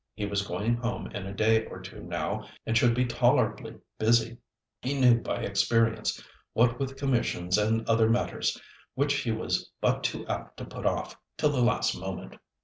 He was going home in a day or two now and should be tolerably busy, he knew by experience, what with commissions and other matters which he was but too apt to put off till the last moment.